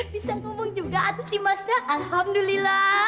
bisa ngomong juga aku si mas dah alhamdulillah